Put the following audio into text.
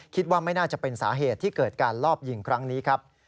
คิดว่าไม่น่าจะเป็นสาเหตุที่เกิดการลอบยิงครั้งนี้ครับ